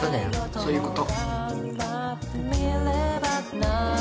そういうこと。